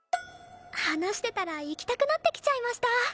話してたら行きたくなってきちゃいました。